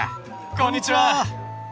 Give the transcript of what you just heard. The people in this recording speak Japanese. こんにちは。